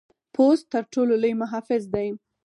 پوست تر ټر ټولو لوی محافظ دی.